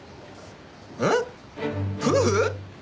えっ夫婦？